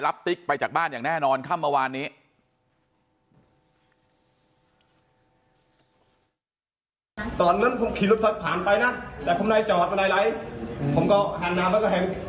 ติ๊กไปจากบ้านอย่างแน่นอนค่ำเมื่อวานนี้